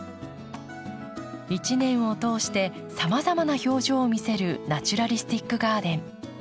一年を通してさまざまな表情を見せるナチュラリスティックガーデン。